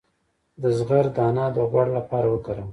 د زغر دانه د غوړ لپاره وکاروئ